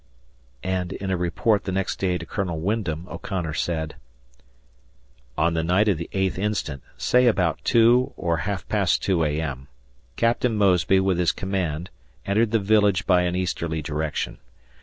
And in a report the next day to Colonel Wyndham, O'Connor said: On the night of the 8th instant, say about two or half past two A.M., Captain Mosby with his command entered the village by an easterly direction.